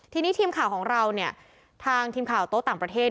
ทีนี้ทีมข่าวของเราเนี่ยทางทีมข่าวโต๊ะต่างประเทศ